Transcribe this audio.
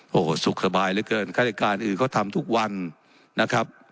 โหสุขสบายเหลือเกินฆาติการอื่นเขาทำทุกวันนะครับ